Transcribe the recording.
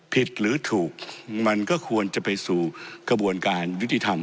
ผิดหรือถูกมันก็ควรจะไปสู่กระบวนการยุติธรรม